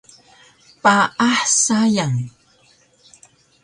Paah sayang